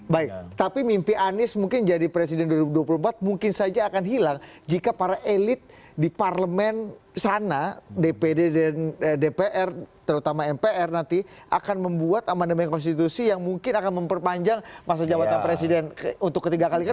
baik tapi mimpi anies mungkin jadi presiden dua ribu dua puluh empat mungkin saja akan hilang jika para elit di parlemen sana dpd dpr terutama mpr nanti akan membuat amandemen konstitusi yang mungkin akan memperpanjang masa jabatan presiden untuk ketiga kali kan